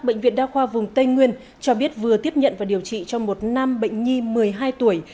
bệnh viện đa khoa vùng tây nguyên cho biết vừa tiếp nhận và điều trị cho một nam bệnh nhi một mươi hai tuổi